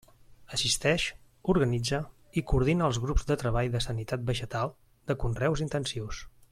Assisteix, organitza i coordina els grups de treball de sanitat vegetal de conreus intensius.